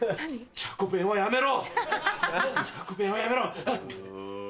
チャコペンはやめろ！